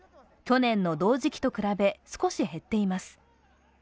去年の同時期と比べ少し減っています。